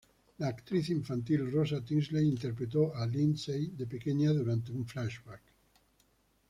La actriz infantil Rosa Tinsley interpretó a Lindsey de pequeña durante un flashback.